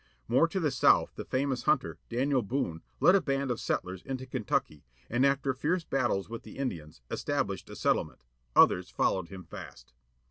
More to the south the famous hunter, Daniel Boone, led a band of settlers into Kentucky, and after fierce battles with the Indians, established a settlement. Others followed him fast.